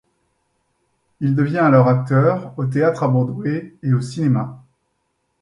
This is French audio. Il devient alors acteur, au théâtre à Broadway et au cinéma.